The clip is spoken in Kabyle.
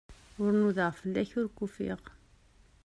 Ur nudaɣ fell-ak, ur k-ufiɣ.